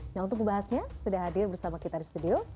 nah untuk membahasnya sudah hadir bersama kita di studio